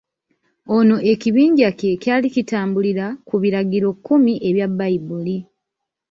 Ono ekibinja kye kyali kitambulirira ku biragirokkumi ebya Bayibuli.